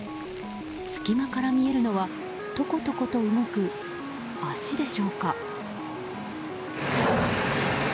隙間から見えるのはトコトコと動く足でしょうか。